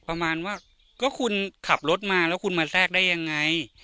ประมาณว่าก็คุณขับรถมาแล้วคุณมาแทรกได้ยังไง